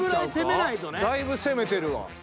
だいぶ攻めてるわ。